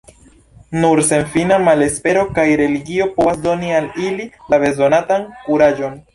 Nur senfina malespero kaj religio povas doni al ili la bezonatan kuraĝon.